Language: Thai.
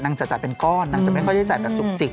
จะจ่ายเป็นก้อนนางจะไม่ค่อยได้จ่ายแบบจุกจิก